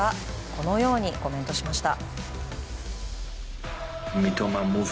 このようにコメントしました。